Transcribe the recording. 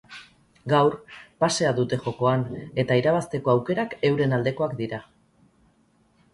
Gaur, pasea dute jokoan, eta irabazteko aukerak euren aldekoak dira.